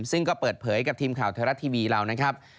ซึ่งก็เปิดเผยกับทีมข่าวไทยรัฐทีวีเรานะครับ